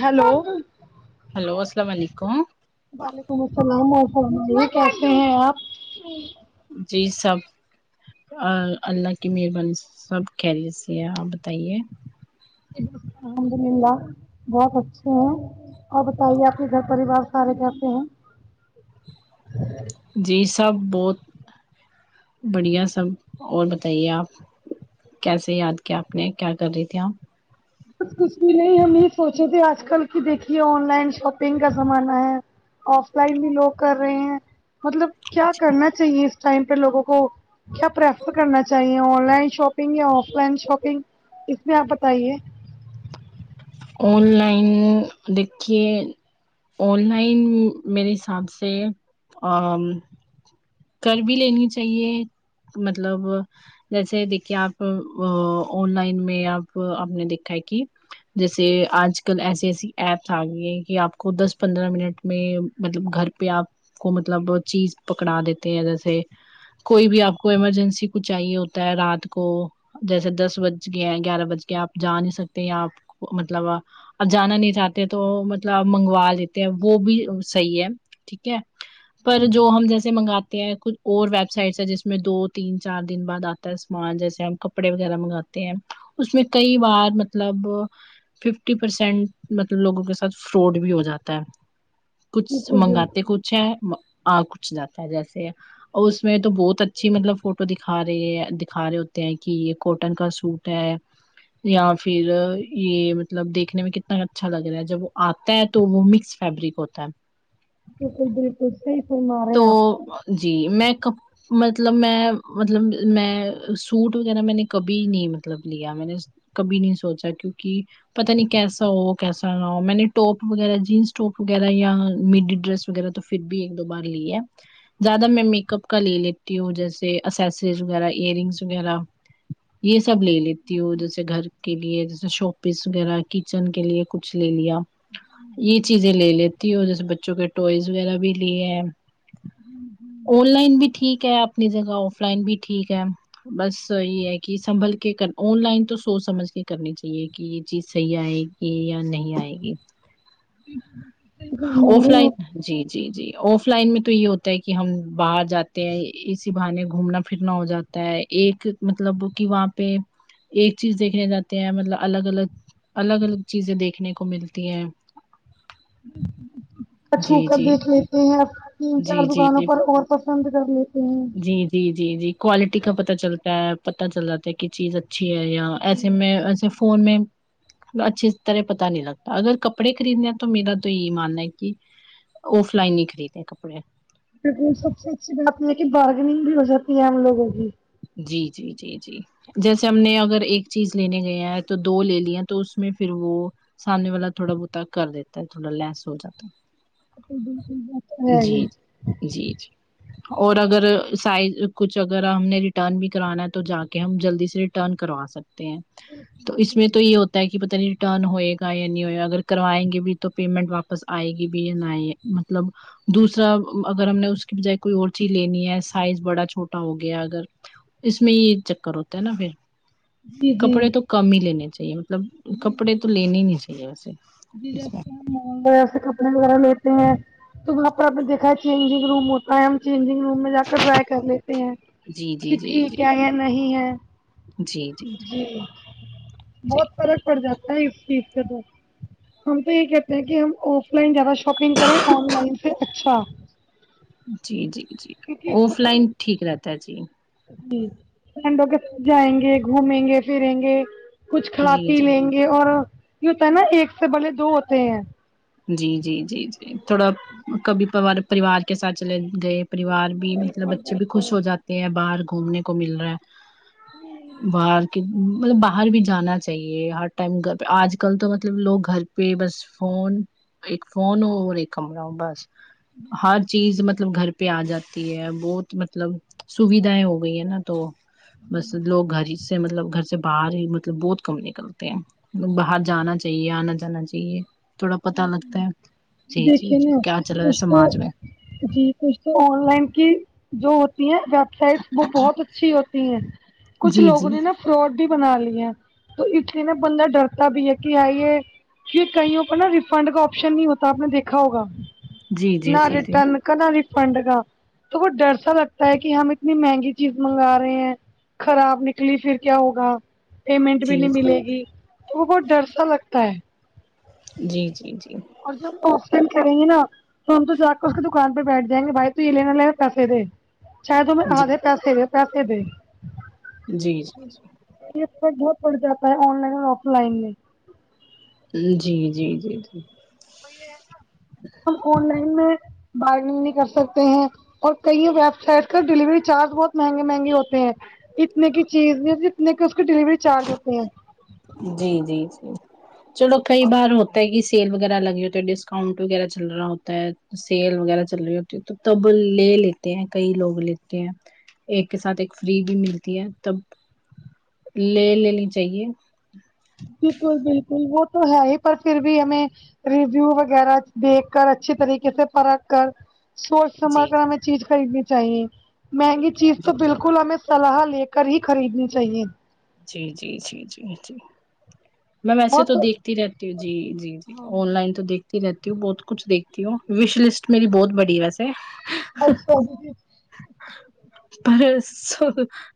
hello hello اسلام علیکم وعلیکم السلام اور فرمائیے کیسے ہیں آپ جی سب اللہ کی مہربانی سب خیریت س ہے آپ بتائیے الحمد للہ بہت اچھے ہیں اور بتائیے آپ کے گھر پریوار سارے کیسے ہیں جی سب بہت بڑھیا سب اور بتائیے آپ کیسے یاد کیا آپ نے کیا کر رہی تھی آپ کچھ بھی نہیں ہم یہ سوچے تھے آج کل کی دیکھیے آن لائن شاپنگ کا زمانہ ہے آف لائن بھی لوگ کر رہے ہیں مطلب کیا آپ کرنا چاہیے اس ٹائم پہ لوگوں کو کیا پریفر کرنا چاہیے آن لائن شاپنگ یا آف لائن شاپنگ اس میں آپ بتائیے آن لائن دیکھیے آن لائن میرے حساب سے کر بھی لینی چاہیے مطلب جیسے دیکھیے آپ آن لائن میں آپ آپ نے دیکھا ہے کی جیسے آج کل ایسی ایسی ایپس آ گئی ہیں کہ آپ کو دس پندرہ منٹ میں مطلب گھر پہ آپ کو مطلب چیز پکڑا دیتے ہیں جیسے کوئی بھی آپ کو ایمرجنسی کچھ چاہیے ہوتا ہے رات کو جیسے دس بج گیا گیارہ بج گیا آپ جا نہیں سکتے آپ مطلب اب جانا نہیں چاہتے تو مطلب منگوا لیتے ہیں وہ بھی صحیح ہے ٹھیک ہے پر جو ہم جیسے منگاتے ہیں کچھ اور ویب سائٹس ہے جس میں دو تین چار دن بعد آتا ہے سامان جیسے ہم کپڑے وغیرہ منگاتے ہیں اس میں کئی بار مطلب ففٹی پرسینٹ مطلب لوگوں کے ساتھ فراڈ بھی ہو جاتا ہے کچھ بالکل منگاتے بالکل کچھ ہے اور آ کچھ جاتا ہے جیسے اور اس میں تو بہت اچھی مطلب فوٹو دکھا رہے دکھا رہے ہوتے ہیں کہ یہ کوٹن کا سوٹ ہے یا پھر یہ مطلب دیکھنے میں کتنا اچھا لگ رہا ہے جب وہ آتا ہے تو وہ میکس فیبرک ہوتا ہے بالکل بالکل صحیح فرمارہے تو جی میں کہو مطلب میں مطلب میں سوٹ وغیرہ میں نے کبھی نہیں مطلب لیا میں نے کبھی نہیں سوچا کیونکہ پتا نہیں کیسا ہو کیسا نہ ہو میں نے ٹاپ وغیرہ جینس ٹاپ وغیرہ یا مڈ ڈریس وغیرہ تو پھر بھی ایک دو بار لیا ہے زیادہ میں میکاپ کا لے لیتی ہوں جیسے اسسریز وغیرہ ایئر رنگس وغیرہ یہ سب لے لیتی ہوں جیسے گھر کے لیے جیسے شو پیس وغیرہ کچن کے لیے کچھ لے لیا یہ چیزیں لے لیتی ہو جیسے بچوں کے ٹوائز وغیرہ بھی لی آن لائن بھی ٹھیک ہے اپنی جگہ آف لائن بھی ٹھیک ہے بس یہ ہے کہ سنبھل کے آن لائن تو سوچ سمجھ کے کرنی چاہیے کہ یہ چیز صحیح آئے گی یا نہیں آئے گی آف ہمارے یہاں لائن جی جی جی آف لائن میں تو یہ ہوتا ہے کہ ہم باہر جاتے ہیں اسی بہانے گھومنا پھرنا ہو جاتا ہے ایک مطلب کہ وہاں پہ ایک چیز دیکھنے جاتے ہیں مطلب الگ الگ الگ الگ چیزیں دیکھنے کو ملتی ہیں اچھا جی کر جی دیکھ لیتے ہیں اپنا تین چار جی جی دکانوں جی پر اور پسند کر لیتے ہیں جی جی جی جی کوالٹی کا پتا چلتا ہے پتا چل جاتا ہے کی چیز اچ اچھی ہے یا جی ایسے میں ایسے فون میں اچھی طرح پتا نہیں لگتا اگر کپڑے خریدنے تو میرا تو یہی ماننا ہے کی آف لائن ہی خریدے کپڑے سب سے اچھی بات یے ہے کی بارگننگ بھی ہو جاتی ہے ہم لوگوں کی جی جی جی جی جیسے ہم نے اگر ایک چیز لینے گیا ہے تو دو لے لیا تو اس میں پھر وہ سامنے والا تھوڑا بہت کر دیتا ہے تھوڑا لیس ہو جاتا بالکل یہ بات تو ہے ہی جی جی اور اگر سائز کچھ اگر ہم نےریٹرن ریٹرن بھی کرانا ہے تو جا کے ہم جلدی سے ریٹرن کروا سکتے ہیں تو اس میں تو یہ ہوتا ہے کہ پتہ نہیں ریٹرن ہوئے گا یا نہیں ہوا اگر کروائیں گے بھی تو پیمنٹ واپس آئے گی بھی نہیں مطلب دوسرا اگر ہم نے اس کے بجائے کوئی اور چیز لینی ہے سائز بڑا چھوٹا ہو گیا اگر اس میں یے چکر ہوتا ہے نا فیر جی جی کپڑے تو کم ہی لینے چاہیے مطلب جی کپڑے تو لینے ہی نہیں چاہیے ویسے اس میں جیسے مال وغیرہ سے کپڑے وغیرہ لیتے ہیں تو وہاں پر آپ نےدیکھا چینجنگ روم ہوتا ہے ہم چینجنگ روم میں جا کر ٹرائی کر لیتے ہیں جی جی کی جی جی ٹھیک ہے یا نہیں ہے جی جی جی جی بہت فرق پڑ جاتا ہے اس چیز سے تو ہم تو یے کہتے ہیں کہ ہم آف لائن زیادہ شاپنگ کریں آن لائن سے اچھا جی جی جی کیونکہ آف اگر لائن ٹھیک رہتا ہے جی جی فرینڈوں کے ساتھ جائیں گے گھومیں گے فیریں گے کچھ کھا جی پی جی لیں گے یے اور یے ہوتا ہے نا ایک سے بھلے دو ہوتے ہیں جی جی جی جی تھوڑا کبھی کبار پریوار کے ساتھ چلے گئے پریوار بھی مطلب بالکل بچے بھی خوش بالکل ہو جاتے ہیں باہر گھومنے کو مل رہا ہے باہر کے مطلب باہر بھی جانا چاہیے ہر ٹائم گھر پے آج کل تو مطلب لوگ گھر پے بس فون ایک فون ہو اور ایک کمرہ ہو بس ہر چیز مطلب گھر پے آ جاتی ہے بہت مطلب سویدھایں ہو گئی ہے نا تو بس لوگ گھر ہی سے مطلب گھر سے باہر ہی مطلب بہت کم نکلتے ہیں باہر جانا چاہیے آنا جانا چاہیے تھوڑا پتا لگتا ہے جی جی دیکھیے جی نا کیا چل رہا ہے کچھ تو سماج میں جی کچھ تو آن لائن کی جو ہوتی ہیں ویب سائٹس وہ بہت اچھی ہوتی ہیں کچھ جی لوگوں جی نے نا فراڈ بھی بنا لیے ہے تو اس لیے نا بندہ ڈرتا بھی ہے کے کیا یے کئی ریفنڈ کا آپشن نہیں ہوتا آپ نے دیکھا ہوگا جی جی نہ جی جی ریٹرن کانا ریفنڈ کا تو وہ ڈر سا لگتا ہے کی ہم اتنی مہنگی چیز منگا رہے ہیں خراب نکلی فیر کیا ہوگا پیمنٹ بھی جی نہیں ملے گی تو وہ بہت ڈر سا لگتا ہے جی جی جی اور جب اف لائن کریں گے نا تو ہم تو جا کر اس کی دکان پے بیٹھ جائیں گے بائی تو یے لینا بدلے میں پیسے دے چاہے تو ہمیں آ جی دے پیسے میں پیسے دے جی جی جی سلیپ سے بہت پڑ جاتا ہے آن لائن اور آف لائن میں جی جی جی جی وہی ہے نہ تو ہم آن لائن میں بارگنگ نہیں کر سکتے ہیں اور کئی ویب سائٹ کا ڈیلیوری چارج بہت مہنگے مہنگے ہوتے ہیں اتنے کی چیز اتنے کے اس کے ڈیلیوری چارج ہوتی ہیں جی جی جی چلو کئی بار ہوتا ہے کی سیل وغیرہ لگے ہوتے ہے ڈسکاؤنٹ وغیرہ چل رہا ہوتا ہے سیل وغیرہ چل رہی ہوتی ہے تو تب لے لیتے ہیں کئی لوگ لیتے ہیں ایک کے ساتھ ایک فری بھی ملتی ہے تب لے لینی چاہیے ہ بالکل بالکل وہ تو ہے ہی پر فیر بھی ہمیں رجیو وغیرہ دیکھ کر اچھی طریقے سے پرکھ کر سوچ سمجھ جی کر ہمیں چیج خریدنی چاہیے مہنگی چیز تو جی جی بالکل ہمیں سلاح لے کر ہی خریدنی چاہیے جی جی جی جی جی میں ویسے تو بہت ہاں دیکھتی رہتی ہوں جی جی جی آن لائن تو دیکھ تی رہتی ہوں بہت کچھ دکھتی ہوں وش لسٹ میری بہت بڑی ہے ویسے [unintelligible] پر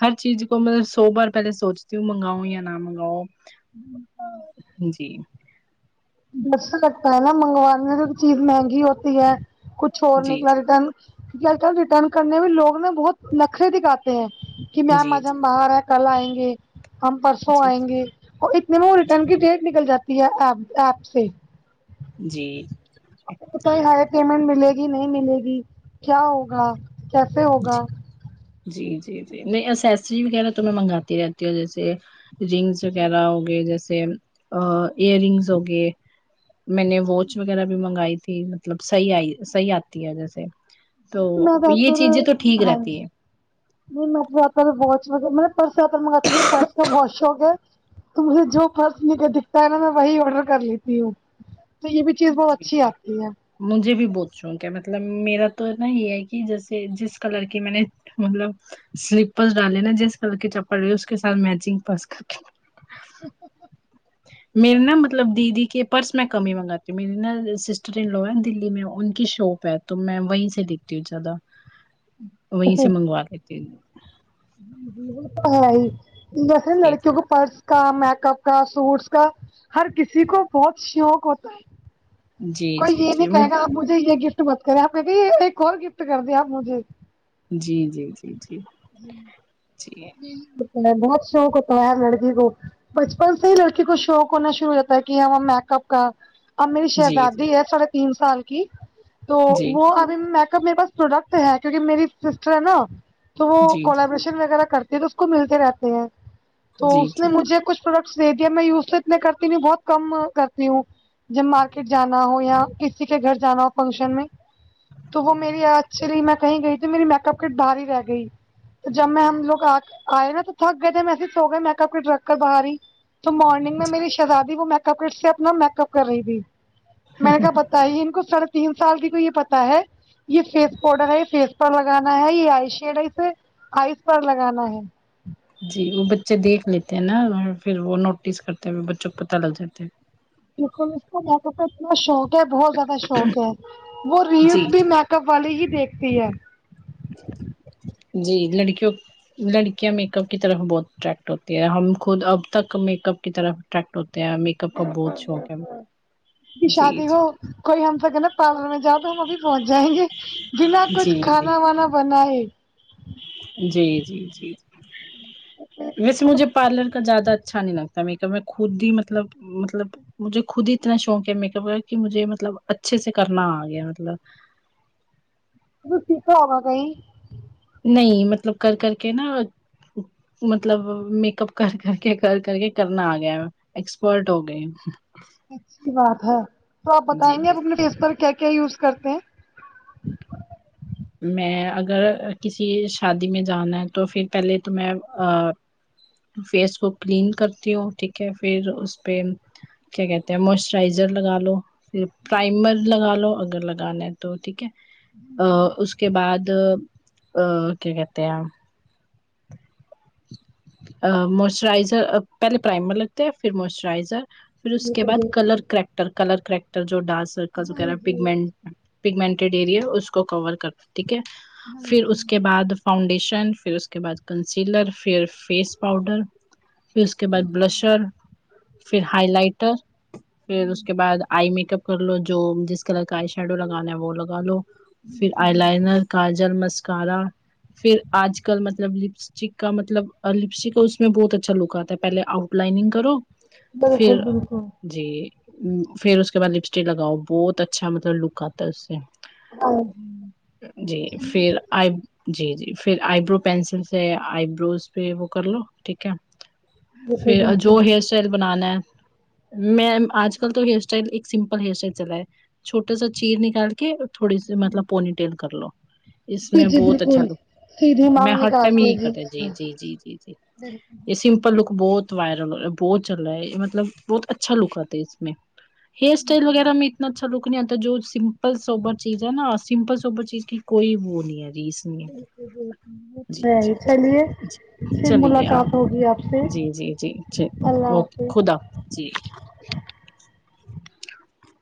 ہر چیز کو مطلب سو بار پہلے سوچتی ہوں مگاؤ یا نہ منگاؤ آمم ہمم جی ڈر سہ لگتا ہے نا منگوانے جو چیز مہنگی ہوتی ہے کچھ اور جی نکلا ریٹرن کیونکی آج کل ریٹرن کرنے میں لوگ نے بہت نخرے دکھاتے ہیں کی میم جی آج ہم باہر ہے کل آئیں گے ہم پرسوں جی جی آئیں گے اور اتنے میں ریٹرن کی ڈیٹ نکل جاتی ہے ایپ اپپ سے جی تو ہائی پیمنٹ ملے گی نہیں ملے گی کیا ہوگا کیسے ہوگا جی جی جی جی نہیں اسسری وغیرہ تو میں منگاتی رہتی ہوں جیسے رنگس وغیرہ ہو گئے جیسے ایئر رنگس ہو گئے میں نے واچ وغیرہ بھی منگائی تھی مطلب صحیح آئی صحیح آتی ہے ویسے تو میں یے بہتر چیجیں تو ٹھیک ہاں رہتی جی ہے نہیں میں تو آج تک واچ وغیرہ میں پرسہ پر منگواتی ہوں مجھے پرس کا بہت شوق شوق ہے تو مجھے جو پرس مجھے دکھتا ہے نا میں وہی آڈر کر لیتی ہوں تو یہ بھی چیز بہت جی اچھی جی آتی ہے مجھے بھی بہت شوق ہے مطلب میرا تو ہے نا یے ہے کی جیسے جس کلر کی میں نے مطلب سلیپرس ڈالے نا جس کلر کی چپل رہی اس کے ساتھ میچنگ پس کر تی میرے نا مطلب دیدی کے پرس میں کم ئ منگاتی ہوں میری نا سسٹر ان لو ہے دلی میں ان کی شاپ ہے تو میں وہیں سے دیکھتی ہوں زیادہ وہیں سے منگوا لیتی جی جی وہ تو ہے ہی لیکن جی لڑکیاں کو پرس کا میک اپ کا سوٹس کا ہر کسی کو بہت شوق ہوتا ہے جی کوئی جی یے جی نہیں وہ- کہے گا آپ مجھے یے گفٹ مت کرو ہم کہیں گے آپ ایک اور گفٹ کر دیے آپ مجھے جی جی جی جی جی جی یہی ہوتا ہے بہت شوق ہوتا ہے لڑکی کو بچپن سے ہی لڑکی کو شوق ہونا شروع ہو جاتا ہے کی یا وا میک اپ کا اب میری جی جی شہزادی ہے ساڑھے تین سال کی تو جی جی وہ میک اپ میرے پاس پروڈکٹ ہے کیونکی میری سسٹر ہے نا تو وہ کولیبریشن وغیرہ کرتی دیکھو اس کو ملتے رہتے ہیں تو جی جی اس نے مجھے کچھ پروڈکٹس دے دیے میں یوز تو اتنے کرتی نہیں ہوں بہت کم کرتی ہوں جب مارکیٹ جانا ہو یا کسی کے گھر جانا ہو فنکشن میں تو وہ میری ایکچولی میں کہیں گئی تھی میری میک اپ کٹ باہر رہ گئی جب میں ہم لوگ آئے نا تو تھک گئے تھے میںای سو گئے میک اپ کے کٹ رکھ کر باہر ہی تو مارنگ میں جی میری شزادی وہ میک اپ کٹ سے اپنا میک اپ کر رہی تھی میں نے کے بت تائ ان کو ساڑھے تین سال کی کو یے پتا ہے یے فیس پاؤڈر ہے یے فیس پر لگانا ہے یے آئی شیڈ ہے اسے آئیز پر لگانا ہے جی وہ بچے دیکھ لیتے ہیں نا پھر وہ نوٹس کرتے ہو بچوں کو پتہ لگ جاتا ہے بالکل اس کو مکپ کا اتنا شوق ہے بہت زیادہ شوق ہے وہ جی ریلس بھی میک کپ والے ہی دیکھتی ہے جی لڑکیوں لڑکیاں میک اپ کی طرف بہت اٹریکٹ ہوتی ہے ہم خود اب تک میک اپ کی طرف اٹریکٹ ہوتے ہیں کپ کا بہت شوق ہے بی جی شادی جی ہو کوئی ہم سے کہے نا پارلر میں جاؤ تو ہم ابھی پہنچ جائیں گے بنا کچھ جی جی کھانا وانا بنائے جی جی جی جی ویسے مجھے پارلر کا زیادہ اچھا نہیں لگ میک اپ میں خود ہی مطلب مطلب مجھے خود ہی اتنا شوق ہے میک اپ کا کی مجھے مطلب اچھے سے کرنا آ گیا مطلب [unintelligible] نہیں مطلب کر کر کے نا مطلب میک اپ کر کر کے کر کر کے کرنا آ گیا ہے ایکسپرٹ ہوگیی ہو اچھی بات ہے تو آپ جی بتائیں گے آپ اپنے فیس پر کیا کیا یوز کرتے ہیں میں اگر کسی شادی میں جانا ہے توفیر پہلے تو میں آ فیس کو کلین کرتی ہوں ٹھیک ہے فیر اس پے کیا کہتے ہیں موئسچرائزر لگا لو فیر پرائمر لگا لو اگر لگانا ہے تو ٹھیک ہے اس کے بعد آ آ کیا کہتے ہیں موائسچرائزر آ پہلے پرائمر لگتے ہیں فیر موائسچرائزر فیر اس کے بعد کلر کریکٹر کلر کریکٹر جو ڈارک سرکلس وغیرہ پگمنٹ پگمنٹیڈ ایریا اس کو کور کر ٹھیک ہے فیر اس کے بعد فاؤنڈیشن فیر اس کے بعد کنسیلر فیر فیس پاؤڈر فیر اس کے بعد بلشر فیر ہائی لائٹر پھر اس کے بعد آئی میک اپ کر لو جو جس کلر کا آئی شیڈو لگانا ہے وہ لگا لو فیر آئی لائنر کا جل مس کارا فیر آج کل مطلب لپسٹک کا مطلب لپسٹک کا اس میں بہت اچھا لوک آتا ہے پہلے آؤٹ لائنگ کرو بالکل پھر بالکل جی فیر اس کے بعد لپسٹک لگاؤ بہت اچھا مطلب لوک آتا ہے اس سے ہاں جی جی فیر آئی جی جی فیر آئی برو پینسل سے آئی بروز پے وہ کر لو ٹھیک ہے بالکل فیر جو بالکل ہیئر اسٹائل بنانا ہے میم آج کل تو ہیئر اسٹائل ایک سمپل ہیر اسٹائل چل رہا ہے چھوٹا سا چیر نکال کے تھوڑی سی مطلب پونی ٹیل کر لو اس میں جی جی بہت اچھا بالکل سیدھی میں مانگ ہر ٹائم نکالتے ہیں کرتا جی جی جی جی جی بالکل یے سم پل لک بہت وائرل ہو رہا ہے بہت چل رہا ہے مطلب بہت اچھا لک آتا ہے اس میں ہیر سٹائل وغیرہ میں اتنا اچھا لک نہیں آتا جو سمپل سوبر چیز ہے نا سمپل سوبر چیز کی کوئی وہ نہیں ہے ریس بالکل جی بالکل جی چلیے جی پھر چلیے آپ ملاقات ہوگی آپ سے جی جی جی جی اللہ اوکے حافظ خد اب جی